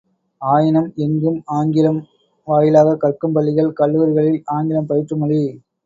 ஆயினும் எங்கும் ஆங்கிலம் வாயிலாகக் கற்கும் பள்ளிகள் கல்லூரிகளில் ஆங்கிலம் பயிற்று மொழி!